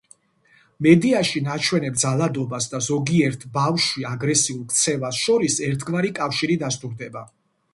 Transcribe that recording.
მედიაში ნაჩვენებ ძალადობას და ზოგიერთ ბავშვში აგრესიულ ქცევას შორის ერთგვარი კავშირი დასტურდება.